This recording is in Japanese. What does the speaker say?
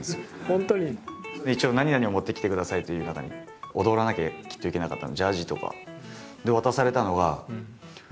本当に？で一応何々を持ってきてくださいという中に踊らなきゃきっといけなかったのでジャージとか。